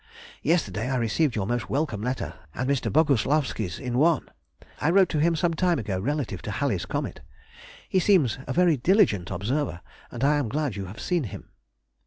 Yesterday I received your most welcome letter and Mr. Boguslawski's in one. I wrote to him some time ago relative to Halley's comet. He seems a very diligent observer, and I am glad you have seen him.